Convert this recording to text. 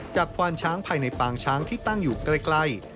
ควานช้างภายในปางช้างที่ตั้งอยู่ใกล้